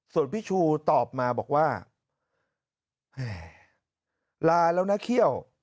ส่วนพี่ชูตอบมาบอกว่าแหมลาแล้วนะเขี้ยว